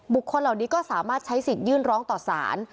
คนเหล่านี้ก็สามารถใช้สิทธิ์ยื่นร้องต่อสาร